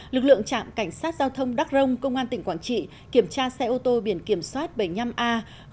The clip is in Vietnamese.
lực lượng trạm cảnh sát giao thông đắc rông công an tỉnh quảng trị kiểm tra xe ô tô biển kiểm soát bảy mươi năm a ba nghìn bốn trăm tám mươi chín